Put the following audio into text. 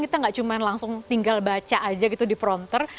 kita tidak hanya tinggal baca saja di prompter